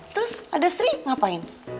terus ada sri ngapain